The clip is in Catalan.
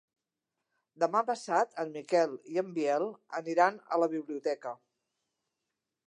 Demà passat en Miquel i en Biel aniran a la biblioteca.